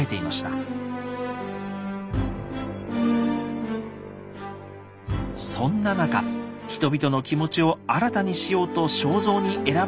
そんな中人々の気持ちを新たにしようと肖像に選ばれたのが聖徳太子でした。